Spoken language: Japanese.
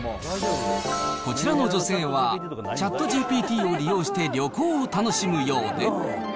こちらの女性は、ＣｈａｔＧＰＴを利用して旅行を楽しむようで。